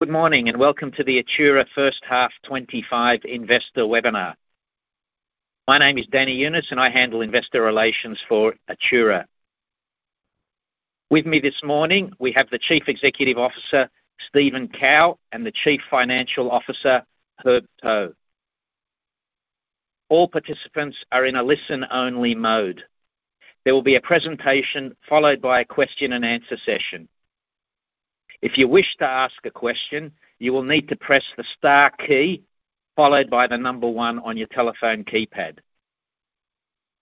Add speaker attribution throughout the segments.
Speaker 1: Good morning and welcome to the Atturra First Half 2025 Investor Webinar. My name is Danny Younis, and I handle Investor Relations for Atturra. With me this morning, we have the Chief Executive Officer, Stephen Kow, and the Chief Financial Officer, Herb To. All participants are in a listen-only mode. There will be a presentation followed by a question-and-answer session. If you wish to ask a question, you will need to press the star key followed by the number one on your telephone keypad.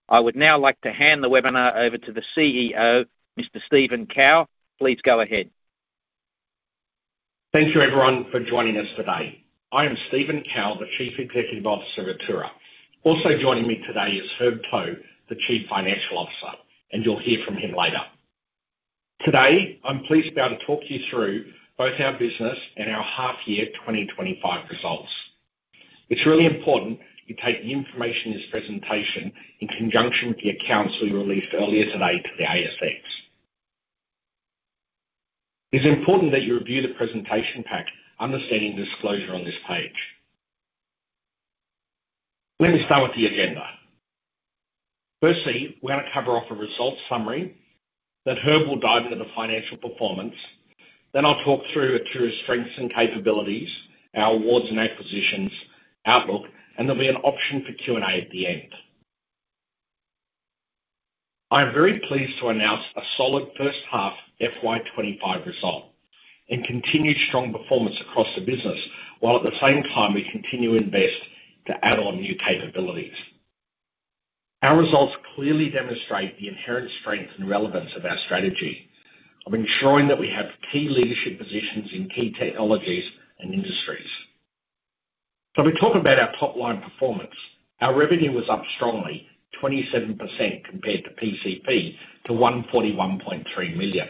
Speaker 1: I would now like to hand the webinar over to the CEO, Mr. Stephen Kow. Please go ahead.
Speaker 2: Thank you, everyone, for joining us today. I am Stephen Kow, the Chief Executive Officer of Atturra. Also joining me today is Herb To, the Chief Financial Officer, and you'll hear from him later. Today, I'm pleased to be able to talk you through both our business and our half-year 2025 results. It's really important you take the information in this presentation in conjunction with the accounts we released earlier today to the ASX. It's important that you review the presentation pack, understanding the disclosure on this page. Let me start with the agenda. Firstly, we're going to cover off a results summary. Then Herb will dive into the financial performance. Then I'll talk through Atturra's strengths and capabilities, our awards and acquisitions outlook, and there'll be an option for Q&A at the end. I'm very pleased to announce a solid First Half FY 2025 Result and continued strong performance across the business while at the same time we continue to invest to add on new capabilities. Our results clearly demonstrate the inherent strength and relevance of our strategy of ensuring that we have key leadership positions in key technologies and industries. If we talk about our top-line performance, our revenue was up strongly, 27% compared to PCP, to 141.3 million.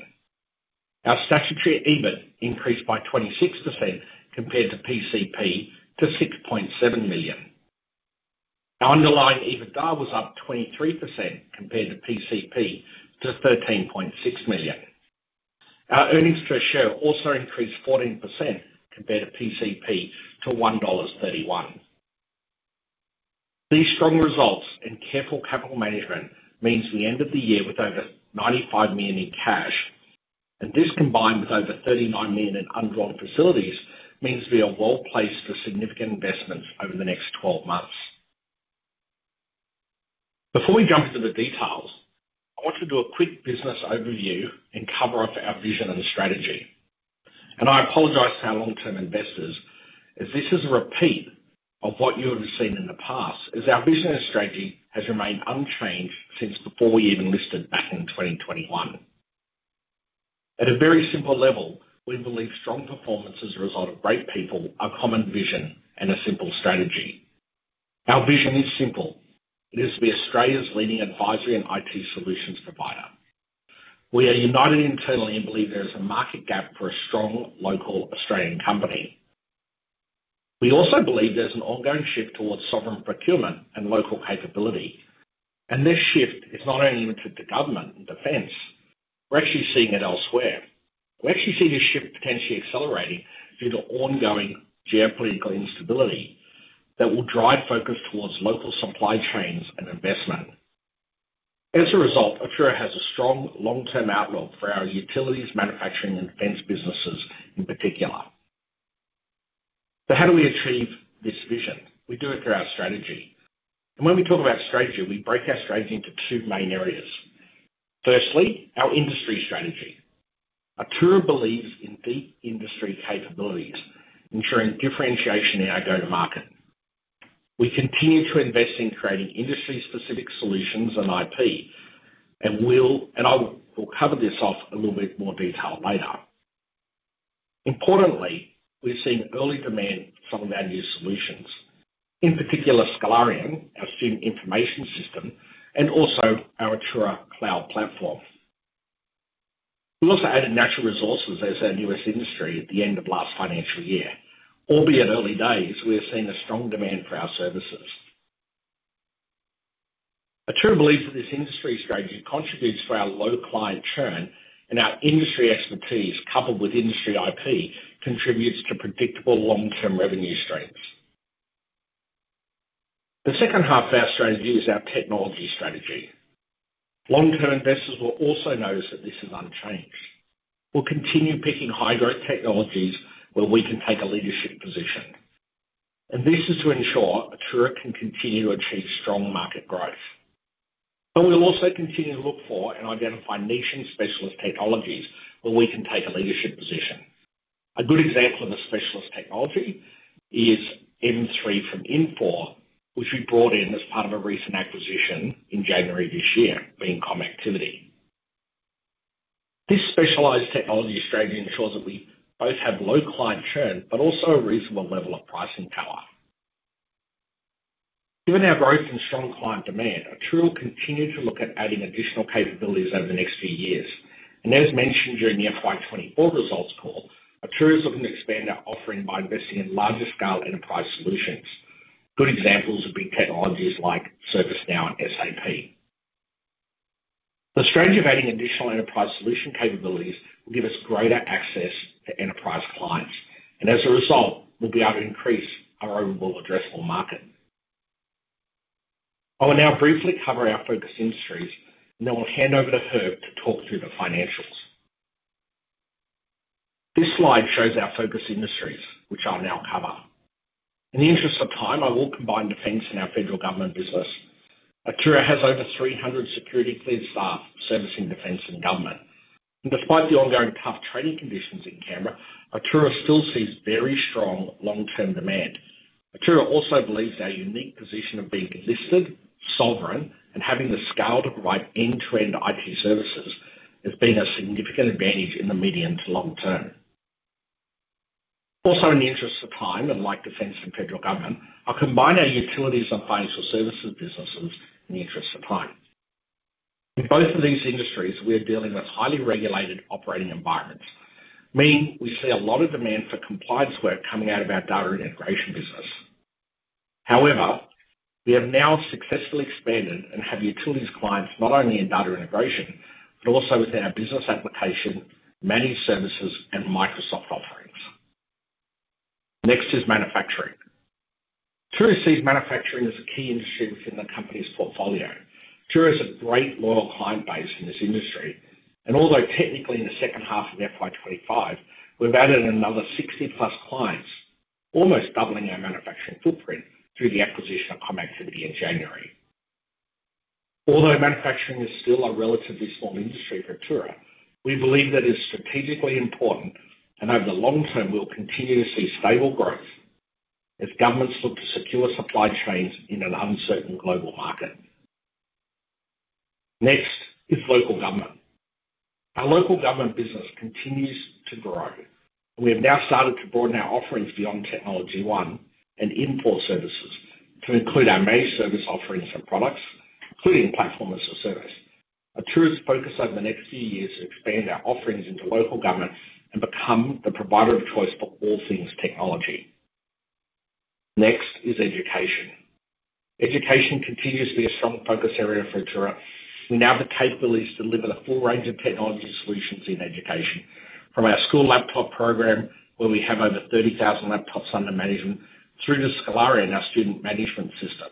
Speaker 2: Our statutory EBIT increased by 26% compared to PCP, to 6.7 million. Our underlying EBITDA was up 23% compared to PCP, to 13.6 million. Our earnings per share also increased 14% compared to PCP, to 1.31 dollars. These strong results and careful capital management mean we ended the year with over 95 million in cash, and this combined with over 39 million in underlying facilities means we are well placed for significant investments over the next 12 months. Before we jump into the details, I want to do a quick business overview and cover off our vision and strategy. I apologize to our long-term investors as this is a repeat of what you have seen in the past, as our vision and strategy has remained unchanged since before we even listed back in 2021. At a very simple level, we believe strong performance is a result of great people, a common vision, and a simple strategy. Our vision is simple. It is to be Australia's leading advisory and IT solutions provider. We are united internally and believe there is a market gap for a strong local Australian company. We also believe there's an ongoing shift towards sovereign procurement and local capability. This shift is not only limited to government and defense. We're actually seeing it elsewhere. We actually see this shift potentially accelerating due to ongoing geopolitical instability that will drive focus towards local supply chains and investment. As a result, Atturra has a strong long-term outlook for our utilities, manufacturing, and defense businesses in particular. How do we achieve this vision? We do it through our strategy. When we talk about strategy, we break our strategy into two main areas. Firstly, our industry strategy. Atturra believes in deep industry capabilities, ensuring differentiation in our go-to-market. We continue to invest in creating industry-specific solutions and IP, and I will cover this off in a little bit more detail later. Importantly, we've seen early demand for some of our new solutions, in particular, Scolarian, our student information system, and also our Atturra Cloud Platform. We also added natural resources as our newest industry at the end of last financial year. Albeit early days, we have seen a strong demand for our services. Atturra believes that this industry strategy contributes to our low client churn, and our industry expertise coupled with industry IP contributes to predictable long-term revenue streams. The second half of our strategy is our technology strategy. Long-term investors will also notice that this is unchanged. We will continue picking high-growth technologies where we can take a leadership position. This is to ensure Atturra can continue to achieve strong market growth. We will also continue to look for and identify niche and specialist technologies where we can take a leadership position. A good example of a specialist technology is M3 from Infor, which we brought in as part of a recent acquisition in January this year, being ComActivity. This specialized technology strategy ensures that we both have low client churn but also a reasonable level of pricing power. Given our growth and strong client demand, Atturra will continue to look at adding additional capabilities over the next few years. As mentioned during the FY 2024 results call, Atturra is looking to expand our offering by investing in larger-scale enterprise solutions. Good examples would be technologies like ServiceNow and SAP. The strategy of adding additional enterprise solution capabilities will give us greater access to enterprise clients. As a result, we'll be able to increase our overall addressable market. I will now briefly cover our focus industries, and then I'll hand over to Herb to talk through the financials. This slide shows our focus industries, which I'll now cover. In the interest of time, I will combine defense and our federal government business. Atturra has over 300 security cleared staff servicing defense and government. Despite the ongoing tough trading conditions in Canberra, Atturra still sees very strong long-term demand. Atturra also believes our unique position of being listed, sovereign, and having the scale to provide end-to-end IT services has been a significant advantage in the medium to long term. Also, in the interest of time, unlike defense and federal government, I'll combine our utilities and financial services businesses in the interest of time. In both of these industries, we are dealing with highly regulated operating environments, meaning we see a lot of demand for compliance work coming out of our data integration business. However, we have now successfully expanded and have utilities clients not only in data integration but also within our business application, managed services, and Microsoft offerings. Next is manufacturing. Atturra sees manufacturing as a key industry within the company's portfolio. Atturra has a great loyal client base in this industry. Although technically in the second half of FY 2025, we have added another 60-plus clients, almost doubling our manufacturing footprint through the acquisition of ComActivity in January. Although manufacturing is still a relatively small industry for Atturra, we believe that it is strategically important, and over the long term, we will continue to see stable growth as governments look to secure supply chains in an uncertain global market. Next is local government. Our local government business continues to grow. We have now started to broaden our offerings beyond TechnologyOne and Infor services to include our main service offerings and products, including platform as a service. Atturra's focus over the next few years is to expand our offerings into local government and become the provider of choice for all things technology. Next is education. Education continues to be a strong focus area for Atturra. We now have the capabilities to deliver the full range of technology solutions in education, from our school laptop program, where we have over 30,000 laptops under management, through to Scolarian, our student management system,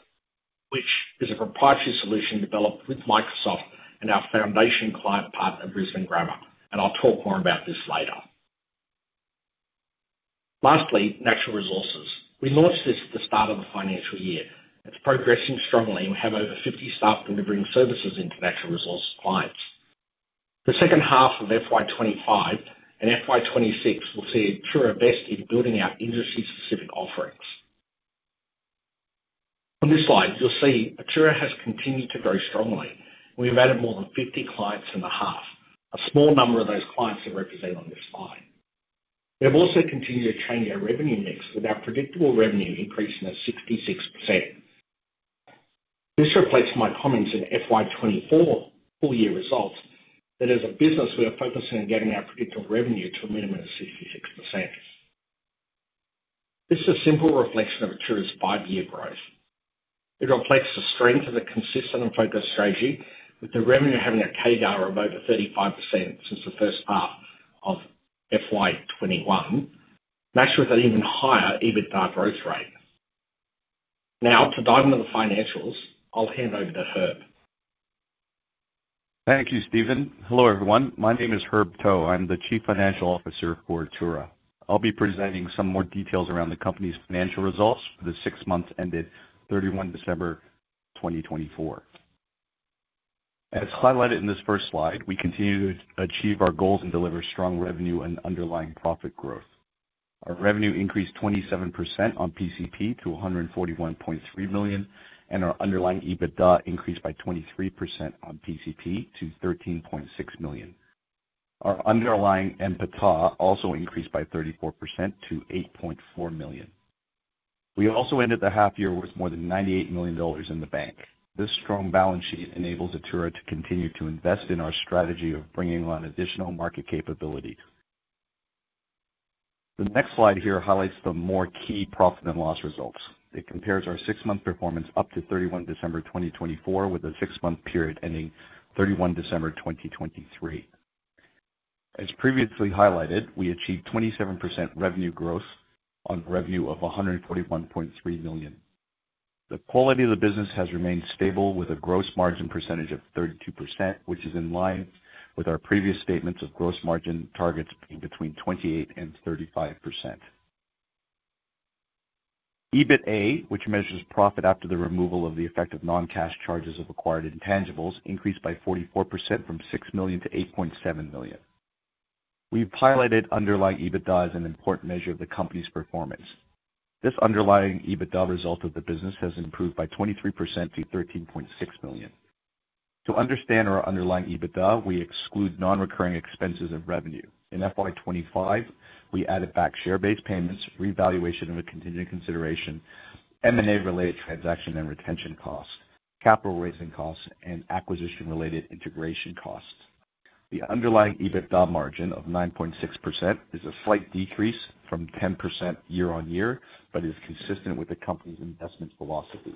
Speaker 2: which is a proprietary solution developed with Microsoft and our foundation client partner, Brisbane Grammar. I will talk more about this later. Lastly, natural resources. We launched this at the start of the financial year. It is progressing strongly. We have over 50 staff delivering services into natural resource clients. The second half of FY 2025 and FY 2026 will see Atturra best in building out industry-specific offerings. On this slide, you'll see Atturra has continued to grow strongly. We've added more than 50 clients in the half. A small number of those clients are represented on this slide. We have also continued to change our revenue mix with our predictable revenue increasing at 66%. This reflects my comments in FY 2024 full-year results that as a business, we are focusing on getting our predictable revenue to a minimum of 66%. This is a simple reflection of Atturra's five-year growth. It reflects the strength of a consistent and focused strategy, with the revenue having a CAGR of over 35% since the first half of FY 2021, matched with an even higher EBITDA growth rate. Now, to dive into the financials, I'll hand over to Herb.
Speaker 3: Thank you, Stephen. Hello, everyone. My name is Herb To. I'm the Chief Financial Officer for Atturra. I'll be presenting some more details around the company's financial results for the six months ended 31 December 2024. As highlighted in this first slide, we continue to achieve our goals and deliver strong revenue and underlying profit growth. Our revenue increased 27% on PCP to 141.3 million, and our underlying EBITDA increased by 23% on PCP to 13.6 million. Our underlying EBITA also increased by 34% to 8.4 million. We also ended the half-year with more than 98 million dollars in the bank. This strong balance sheet enables Atturra to continue to invest in our strategy of bringing on additional market capabilities. The next slide here highlights the more key profit and loss results. It compares our six-month performance up to 31 December 2024 with a six-month period ending 31 December 2023. As previously highlighted, we achieved 27% revenue growth on revenue of 141.3 million. The quality of the business has remained stable with a gross margin percentage of 30%, which is in line with our previous statements of gross margin targets being between 28% and 35%. EBITA, which measures profit after the removal of the effective non-cash charges of acquired intangibles, increased by 44% from 6 million-8.7 million. We've highlighted underlying EBITDA as an important measure of the company's performance. This underlying EBITDA result of the business has improved by 23% to 13.6 million. To understand our underlying EBITDA, we exclude non-recurring expenses of revenue. In FY 2025, we added back share-based payments, revaluation of a continued consideration, M&A-related transaction and retention costs, capital-raising costs, and acquisition-related integration costs. The underlying EBITDA margin of 9.6% is a slight decrease from 10% year-on-year but is consistent with the company's investment philosophy.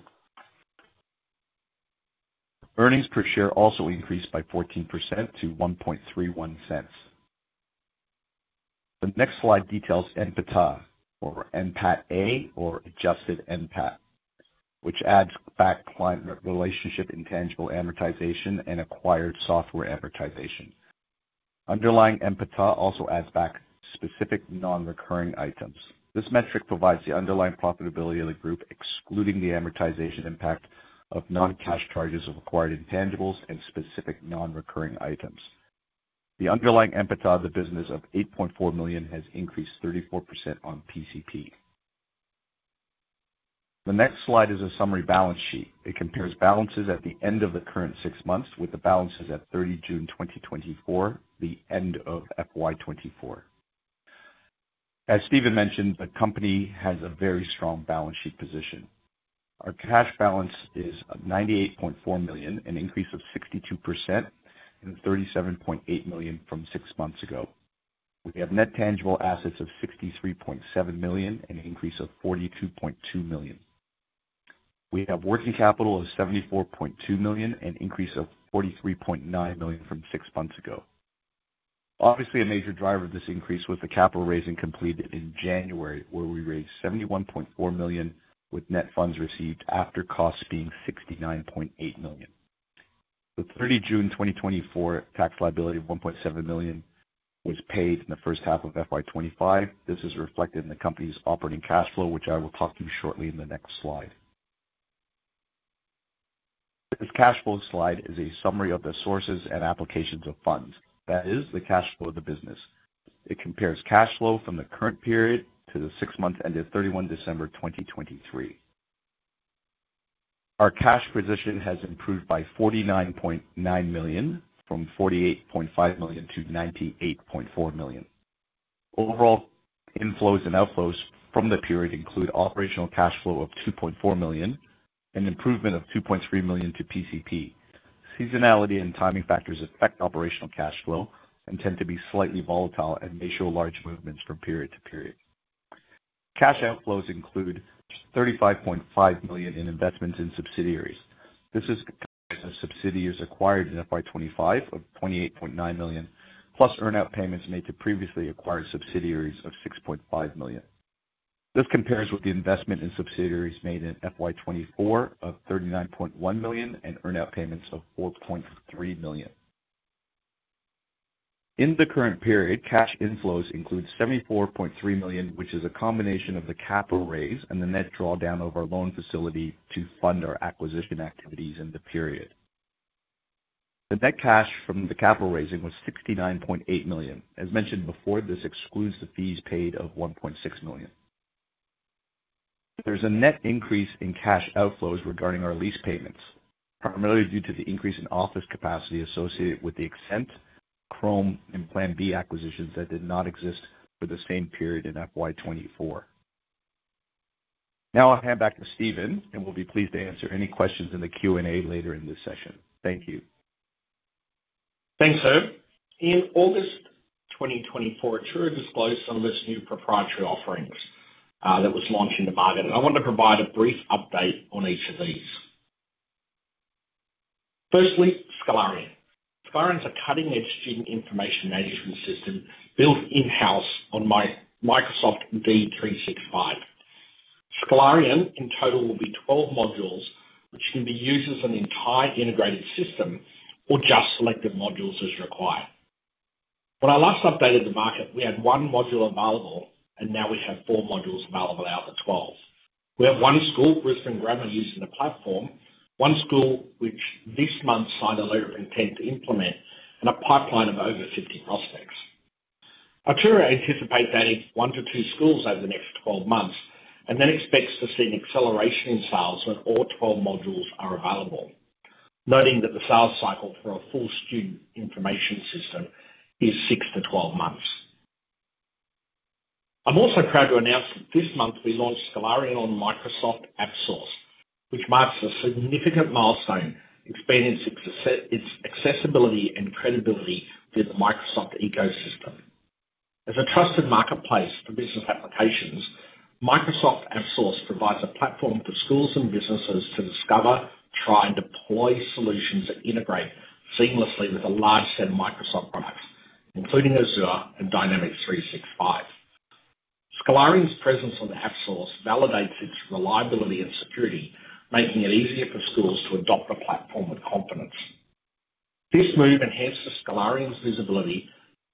Speaker 3: Earnings per share also increased by 14% to 0.0131. The next slide details EBITDA or EBITA, or adjusted EBIT, which adds back client relationship intangible amortization and acquired software amortization. Underlying EBITA also adds back specific non-recurring items. This metric provides the underlying profitability of the group, excluding the amortization impact of non-cash charges of acquired intangibles and specific non-recurring items. The underlying EBITA of the business of 8.4 million has increased 34% on PCP. The next slide is a summary balance sheet. It compares balances at the end of the current six months with the balances at 30 June 2024, the end of FY 2024. As Stephen mentioned, the company has a very strong balance sheet position. Our cash balance is 98.4 million, an increase of 62%, and 37.8 million from six months ago. We have net tangible assets of 63.7 million, an increase of 42.2 million. We have working capital of 74.2 million, an increase of 43.9 million from six months ago. Obviously, a major driver of this increase was the capital raising completed in January, where we raised 71.4 million with net funds received after costs being 69.8 million. The 30 June 2024 tax liability of 1.7 million was paid in the first half of FY 2025. This is reflected in the company's operating cash flow, which I will talk to you shortly in the next slide. This cash flow slide is a summary of the sources and applications of funds. That is the cash flow of the business. It compares cash flow from the current period to the six months ended 31 December 2023. Our cash position has improved by 49.9 million from 48.5 million-98.4 million. Overall inflows and outflows from the period include operational cash flow of 2.4 million and improvement of 2.3 million to PCP. Seasonality and timing factors affect operational cash flow and tend to be slightly volatile and may show large movements from period to period. Cash outflows include 35.5 million in investments in subsidiaries. This is compared to subsidiaries acquired in FY 2025 of 28.9 million, plus earn-out payments made to previously acquired subsidiaries of 6.5 million. This compares with the investment in subsidiaries made in FY 2024 of 39.1 million and earn-out payments of 4.3 million. In the current period, cash inflows include 74.3 million, which is a combination of the capital raise and the net drawdown of our loan facility to fund our acquisition activities in the period. The net cash from the capital raising was 69.8 million. As mentioned before, this excludes the fees paid of 1.6 million. There's a net increase in cash outflows regarding our lease payments, primarily due to the increase in office capacity associated with the Exent, Chrome Consulting, and Plan B acquisitions that did not exist for the same period in FY 2024. Now I'll hand back to Stephen, and we'll be pleased to answer any questions in the Q&A later in this session. Thank you.
Speaker 2: Thanks, Herb. In August 2024, Atturra disclosed some of its new proprietary offerings that was launched in the market. I want to provide a brief update on each of these. Firstly, Scolarian. Scolarian is a cutting-edge student information management system built in-house on Microsoft D365. Scolarian in total will be 12 modules, which can be used as an entire integrated system or just selected modules as required. When I last updated the market, we had one module available, and now we have four modules available out of the 12. We have one school, Brisbane Grammar, using the platform, one school which this month signed a letter of intent to implement, and a pipeline of over 50 prospects. Atturra anticipates adding one to two schools over the next 12 months and then expects to see an acceleration in sales when all 12 modules are available, noting that the sales cycle for a full student information system is six-12 months. I'm also proud to announce that this month we launched Scolarian on Microsoft AppSource, which marks a significant milestone expanding its accessibility and credibility through the Microsoft ecosystem. As a trusted marketplace for business applications, Microsoft AppSource provides a platform for schools and businesses to discover, try, and deploy solutions that integrate seamlessly with a large set of Microsoft products, including Azure and Dynamics 365. Scolarian's presence on AppSource validates its reliability and security, making it easier for schools to adopt the platform with confidence. This move enhances Scolarian's visibility,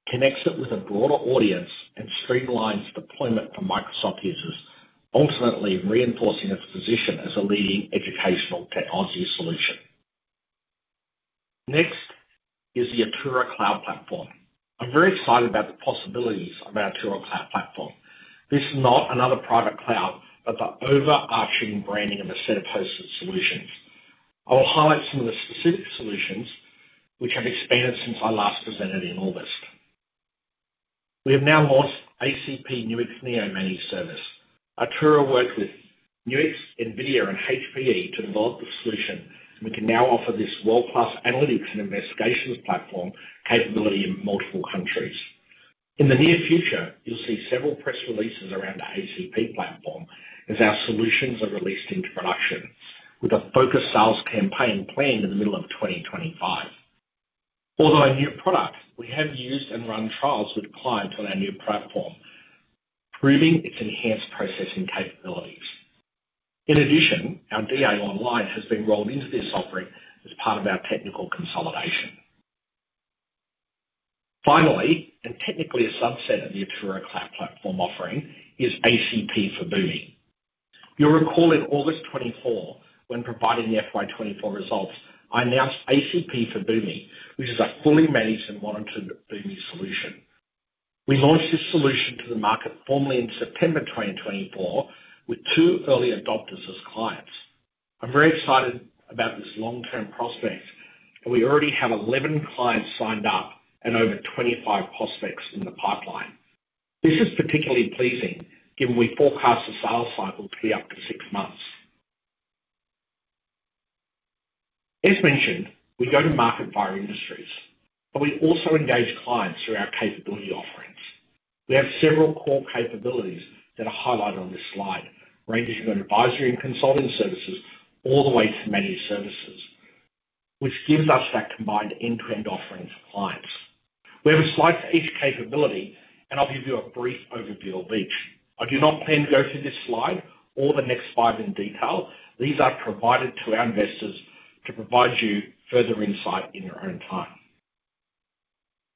Speaker 2: connects it with a broader audience, and streamlines deployment for Microsoft users, ultimately reinforcing its position as a leading educational technology solution. Next is the Atturra Cloud Platform. I'm very excited about the possibilities of our Atturra Cloud Platform. This is not another private cloud, but the overarching branding of a set of hosted solutions. I will highlight some of the specific solutions which have expanded since I last presented in August. We have now launched ACP Nuix Neo Managed Service. Atturra worked with Nuix, NVIDIA, and HPE to develop the solution, and we can now offer this world-class analytics and investigations platform capability in multiple countries. In the near future, you'll see several press releases around our ACP platform as our solutions are released into production, with a focused sales campaign planned in the middle of 2025. Although a new product, we have used and run trials with clients on our new platform, proving its enhanced processing capabilities. In addition, our DA Online has been rolled into this offering as part of our technical consolidation. Finally, and technically a subset of the Atturra Cloud Platform offering, is ACP for Boomi. You'll recall in August 2024, when providing the FY 2024 results, I announced ACP for Boomi, which is a fully managed and monitored Boomi solution. We launched this solution to the market formally in September 2024, with two early adopters as clients. I'm very excited about this long-term prospect, and we already have 11 clients signed up and over 25 prospects in the pipeline. This is particularly pleasing, given we forecast the sales cycle to be up to six months. As mentioned, we go to market via industries, but we also engage clients through our capability offerings. We have several core capabilities that are highlighted on this slide, ranging from advisory and consulting services all the way to managed services, which gives us that combined end-to-end offering for clients. We have a slide for each capability, and I'll give you a brief overview of each. I do not plan to go through this slide or the next five in detail. These are provided to our investors to provide you further insight in your own time.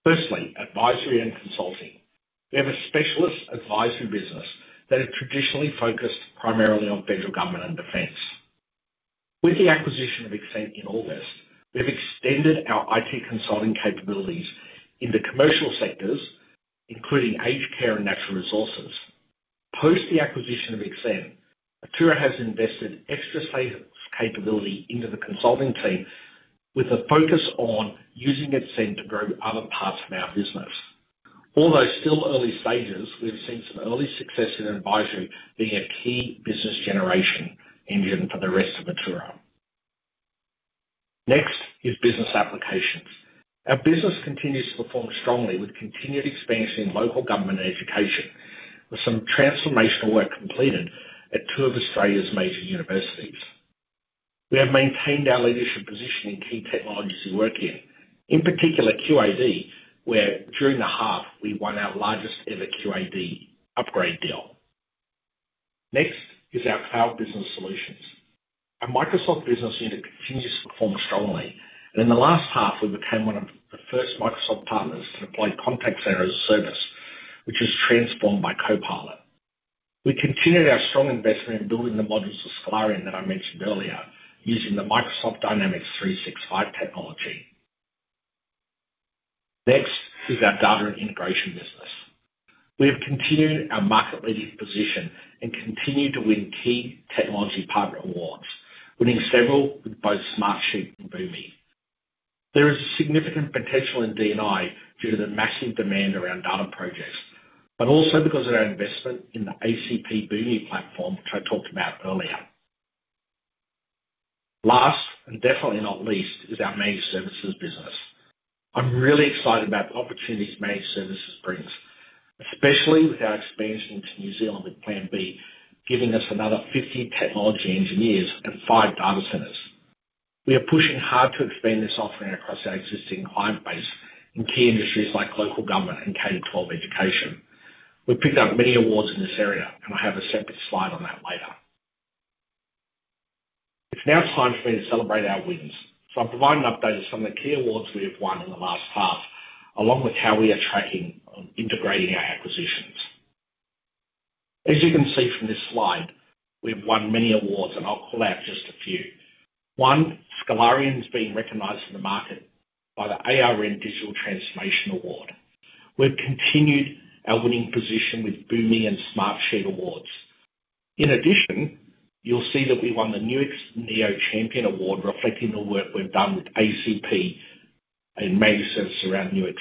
Speaker 2: Firstly, advisory and consulting. We have a specialist advisory business that is traditionally focused primarily on federal government and defense. With the acquisition of ExCENT in August, we've extended our IT consulting capabilities in the commercial sectors, including aged care and natural resources. Post the acquisition of ExCENT, Atturra has invested extra capability into the consulting team with a focus on using ExCENT to grow other parts of our business. Although still early stages, we've seen some early success in advisory being a key business generation engine for the rest of Atturra. Next is business applications. Our business continues to perform strongly with continued expansion in local government education, with some transformational work completed at two of Australia's major universities. We have maintained our leadership position in key technologies we work in, in particular QAD, where during the half, we won our largest ever QAD upgrade deal. Next is our cloud business solutions. Our Microsoft business unit continues to perform strongly. In the last half, we became one of the first Microsoft partners to deploy Contact Center as a Service, which is transformed by Copilot. We continued our strong investment in building the modules of Scolarian that I mentioned earlier, using the Microsoft Dynamics 365 technology. Next is our data and integration business. We have continued our market-leading position and continue to win key technology partner awards, winning several with both Smartsheet and Boomi. There is significant potential in D&I due to the massive demand around data projects, but also because of our investment in the ACP Boomi platform, which I talked about earlier. Last, and definitely not least, is our managed services business. I'm really excited about the opportunities managed services brings, especially with our expansion into New Zealand with Plan B giving us another 50 technology engineers and five data centers. We are pushing hard to expand this offering across our existing client base in key industries like local government and K-12 education. We picked up many awards in this area, and I'll have a separate slide on that later. It's now time for me to celebrate our wins. I'll provide an update of some of the key awards we have won in the last half, along with how we are tracking and integrating our acquisitions. As you can see from this slide, we have won many awards, and I'll call out just a few. One, Scolarian's been recognized in the market by the ARN Digital Transformation Award. We've continued our winning position with Boomi and Smartsheet awards. In addition, you'll see that we won the Nuix Neo Champion Award, reflecting the work we've done with ACP in managed service around Nuix.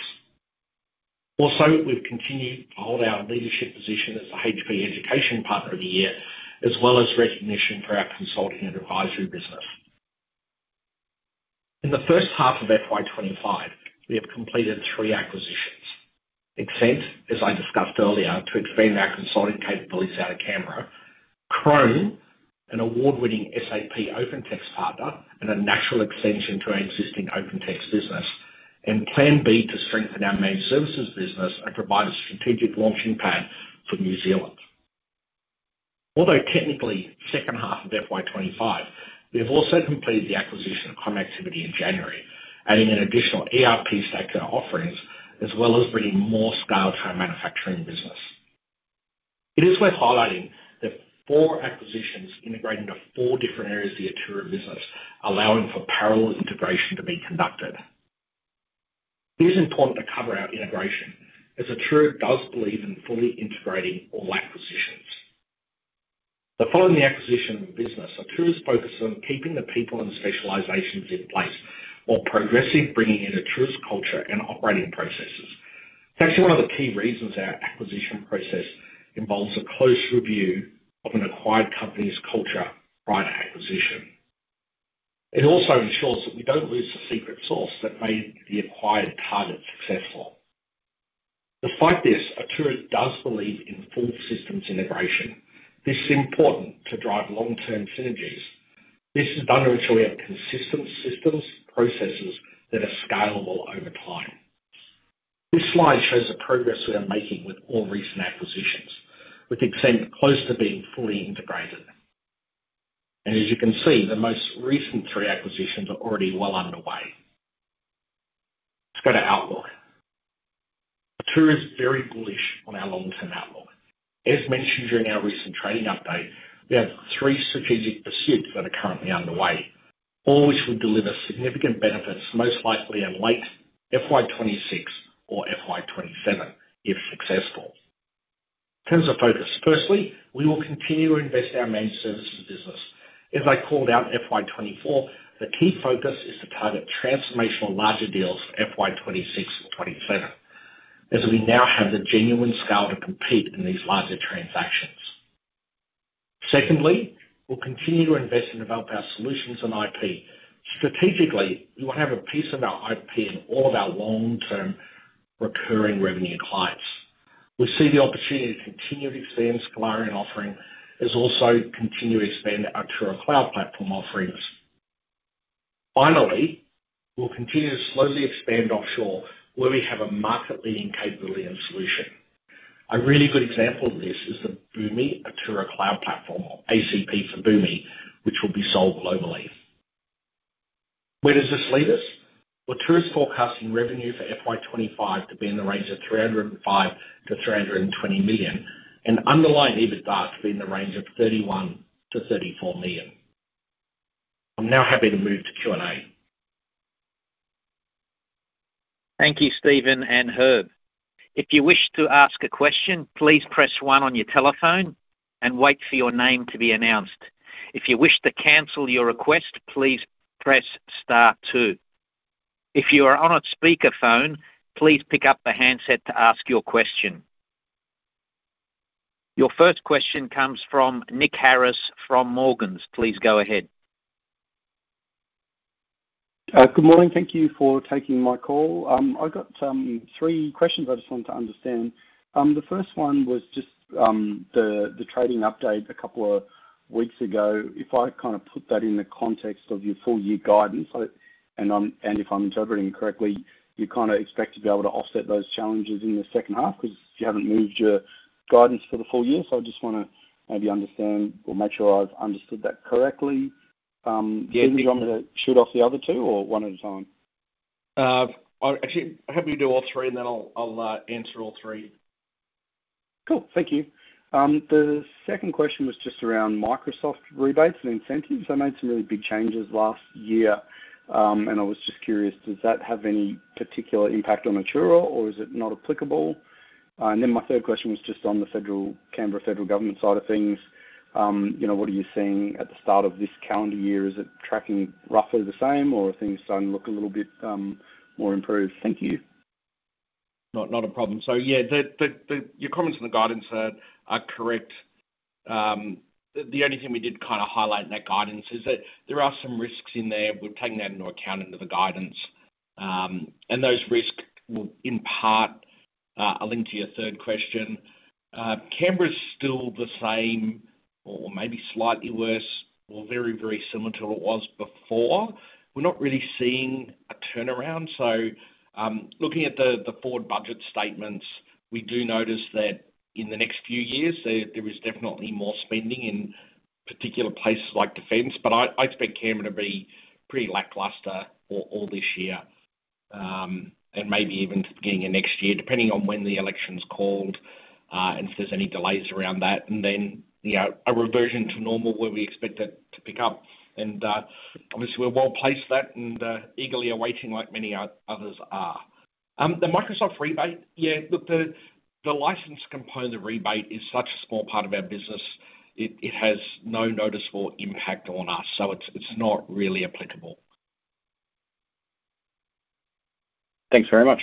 Speaker 2: Also, we've continued to hold our leadership position as the HPE Education Partner of the Year, as well as recognition for our consulting and advisory business. In the first half of FY 2025, we have completed three acquisitions: ExCENT, as I discussed earlier, to expand our consulting capabilities out of Canberra, Chrome, an award-winning SAP OpenText partner, and a natural extension to our existing OpenText business, and Plan B to strengthen our managed services business and provide a strategic launching pad for New Zealand. Although technically second half of FY 2025, we have also completed the acquisition of ComActivity in January, adding an additional ERP stack to our offerings, as well as bringing more scale to our manufacturing business. It is worth highlighting the four acquisitions integrating the four different areas of the Atturra business, allowing for parallel integration to be conducted. It is important to cover our integration, as Atturra does believe in fully integrating all acquisitions. The following acquisition of the business, Atturra's focus on keeping the people and specializations in place while progressively bringing in Atturra's culture and operating processes. It is actually one of the key reasons our acquisition process involves a close review of an acquired company's culture prior to acquisition. It also ensures that we do not lose the secret sauce that made the acquired target successful. Despite this, Atturra does believe in full systems integration. This is important to drive long-term synergies. This is done to ensure we have consistent systems and processes that are scalable over time. This slide shows the progress we are making with all recent acquisitions, with ExCENT close to being fully integrated. As you can see, the most recent three acquisitions are already well underway. Let's go to Outlook. Atturra is very bullish on our long-term outlook. As mentioned during our recent trading update, we have three strategic pursuits that are currently underway, all which will deliver significant benefits, most likely in late FY 2026 or FY 2027, if successful. In terms of focus, firstly, we will continue to invest in our managed services business. As I called out in FY 2024, the key focus is to target transformational larger deals for FY 2026 and 2027, as we now have the genuine scale to compete in these larger transactions. Secondly, we'll continue to invest and develop our solutions and IP. Strategically, we want to have a piece of our IP in all of our long-term recurring revenue clients. We see the opportunity to continue to expand Scolarian offerings, as well as continue to expand our Atturra Cloud Platform offerings. Finally, we'll continue to slowly expand offshore, where we have a market-leading capability and solution. A really good example of this is the Boomi Atturra Cloud Platform, or ACP for Boomi, which will be sold globally. Where does this lead us? Atturra's forecasting revenue for FY 2025 to be in the range of 305 million-320 million, and underlying EBITDA to be in the range of 31 million-34 million. I'm now happy to move to Q&A.
Speaker 1: Thank you, Stephen and Herb. If you wish to ask a question, please press one on your telephone and wait for your name to be announced. If you wish to cancel your request, please press star two. If you are on a speakerphone, please pick up the handset to ask your question. Your first question comes from Nick Harris from Morgans. Please go ahead.
Speaker 4: Good morning. Thank you for taking my call. I've got three questions I just want to understand. The first one was just the trading update a couple of weeks ago. If I kind of put that in the context of your full-year guidance, and if I'm interpreting correctly, you kind of expect to be able to offset those challenges in the second half because you haven't moved your guidance for the full year. I just want to maybe understand or make sure I've understood that correctly. Do you want me to shoot off the other two or one at a time?
Speaker 2: Actually, I'm happy to do all three, and then I'll answer all three.
Speaker 4: Cool. Thank you. The second question was just around Microsoft rebates and incentives. They made some really big changes last year, and I was just curious, does that have any particular impact on Atturra, or is it not applicable? My third question was just on the Canberra federal government side of things. What are you seeing at the start of this calendar year? Is it tracking roughly the same, or are things starting to look a little bit more improved? Thank you.
Speaker 2: Not a problem. Yeah, your comments on the guidance are correct. The only thing we did kind of highlight in that guidance is that there are some risks in there. We're taking that into account into the guidance. Those risks will in part link to your third question. Canberra's still the same, or maybe slightly worse, or very, very similar to what it was before. We're not really seeing a turnaround. Looking at the forward budget statements, we do notice that in the next few years, there is definitely more spending in particular places like defense. I expect Canberra to be pretty lackluster all this year and maybe even beginning of next year, depending on when the election's called and if there's any delays around that. Then a reversion to normal where we expect that to pick up. Obviously, we're well placed for that and eagerly awaiting like many others are. The Microsoft rebate, yeah, look, the license component of rebate is such a small part of our business. It has no noticeable impact on us, so it's not really applicable.
Speaker 4: Thanks very much.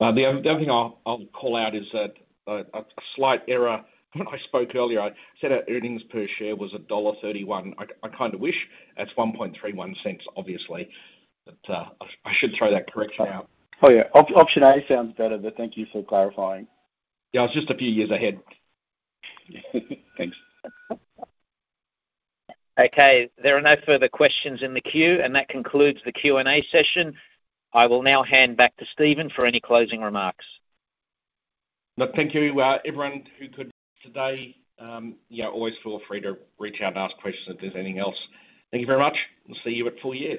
Speaker 3: The other thing I'll call out is that a slight error. When I spoke earlier, I said our earnings per share was dollar 1.31. I kind of wish. That's 0.0131, obviously. I should throw that correction out.
Speaker 4: Oh, yeah. Option A sounds better, but thank you for clarifying.
Speaker 3: Yeah, I was just a few years ahead.
Speaker 4: Thanks.
Speaker 1: Okay. There are no further questions in the queue, and that concludes the Q&A session. I will now hand back to Stephen for any closing remarks.
Speaker 2: No, thank you. Everyone who could today, yeah, always feel free to reach out and ask questions if there's anything else. Thank you very much. We'll see you at full years.